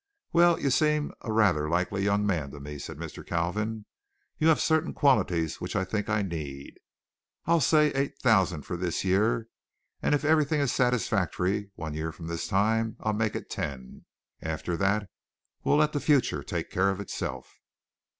"Well, you seem a rather likely young man to me," said Mr. Kalvin. "You have certain qualities which I think I need. I'll say eight thousand for this year, and if everything is satisfactory one year from this time I'll make it ten. After that we'll let the future take care of itself."